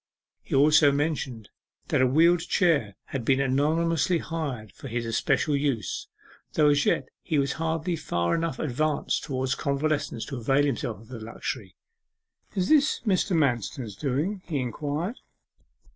He also mentioned that a wheeled chair had been anonymously hired for his especial use, though as yet he was hardly far enough advanced towards convalescence to avail himself of the luxury. 'Is this Mr. Manston's doing?' he inquired.